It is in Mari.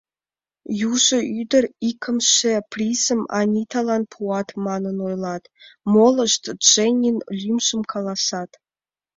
Южо ӱдыр икымше призым Аниталан пуат манын ойлат, молышт Дженнин лӱмжым каласат.